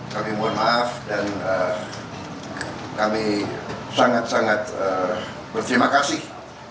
kami mohon maaf dan kami sangat sangat berterima kasih